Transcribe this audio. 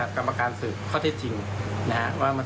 ว่ามันสืบข้อที่จริงว่าเป็นอย่างไรบ้าง